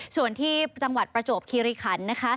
ส่วนที่จังหวัดประจวบคีรีขันต์